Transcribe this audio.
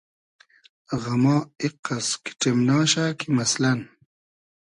غئما ایقئس کیݖیمناشۂ کی مئسلئن